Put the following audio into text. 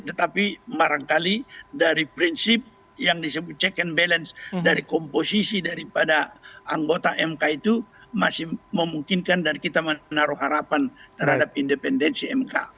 tetapi barangkali dari prinsip yang disebut check and balance dari komposisi daripada anggota mk itu masih memungkinkan dari kita menaruh harapan terhadap independensi mk